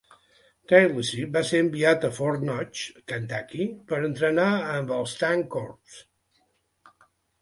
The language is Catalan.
Talese va ser enviat a Fort Knox, Kentucky, per entrenar amb els Tank Corps.